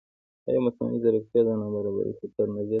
ایا مصنوعي ځیرکتیا د نابرابرۍ خطر نه زیاتوي؟